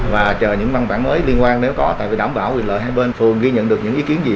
và chờ những văn bản mới liên quan nếu có tại phải đảm bảo quyền lợi hai bên phường ghi nhận được những ý kiến gì